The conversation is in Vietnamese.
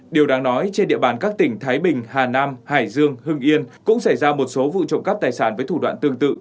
điều đáng nói trên địa bàn các tỉnh thái bình hà nam hải dương hưng yên cũng xảy ra một số vụ trộm cắp tài sản với thủ đoạn tương tự